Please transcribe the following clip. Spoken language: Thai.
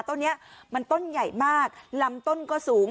ต้นนี้มันต้นใหญ่มากลำต้นก็สูง